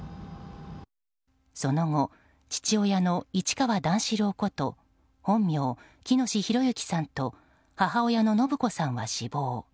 その後、父親の市川段四郎こと本名・喜熨斗弘之さんと母親の延子さんは死亡。